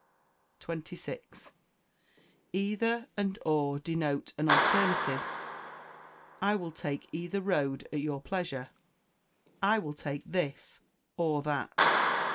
26. Either and or denote an alternative: "I will take either road, at your pleasure;" "I will take this or that."